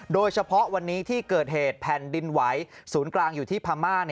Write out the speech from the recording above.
โดยเฉพาะวันนี้ที่เกิดเหตุแผ่นดินไหวศูนย์กลางอยู่ที่พม่า